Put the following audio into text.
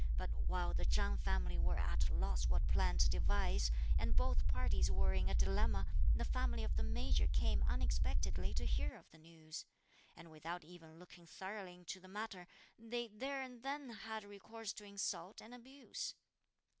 But while the Chang family were at a loss what plan to devise, and both parties were in a dilemma, the family of the Major came unexpectedly to hear of the news; and without even looking thoroughly into the matter, they there and then had recourse to insult and abuse.